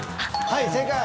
はい正解。